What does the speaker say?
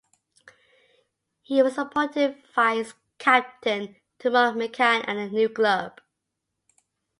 He was appointed vice-captain to Mark Mickan at the new club.